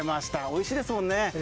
おいしいですよね。